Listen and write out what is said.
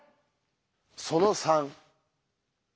その３。